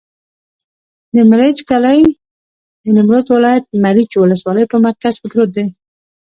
د مريچ کلی د نیمروز ولایت، مريچ ولسوالي په مرکز کې پروت دی.